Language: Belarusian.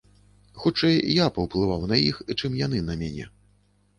Хутчэй, я паўплываў на іх, чым яны на мяне.